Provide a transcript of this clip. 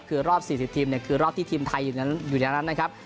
คือรอบ๔๐ทีมคือรอบที่ทีมไทยอยู่ในนั้นนะครับ